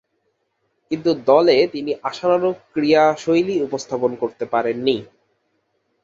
কিন্তু দলে তিনি আশানুরূপ ক্রীড়াশৈলী উপস্থাপন করতে পারেননি।